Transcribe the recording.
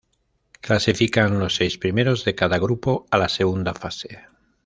Clasifican los seis primeros de cada grupo a la segunda fase.